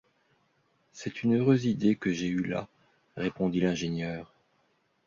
C’est une heureuse idée que j’ai eue là répondit l’ingénieur